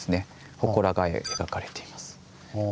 ほこらが描かれています。